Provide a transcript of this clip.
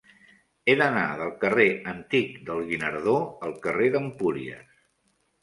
He d'anar del carrer Antic del Guinardó al carrer d'Empúries.